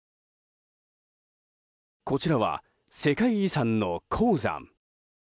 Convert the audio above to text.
こちらは世界遺産の黄山。